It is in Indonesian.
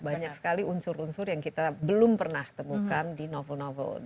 banyak sekali unsur unsur yang kita belum pernah temukan di novel novel